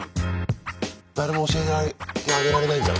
誰も教えてあげられないじゃん。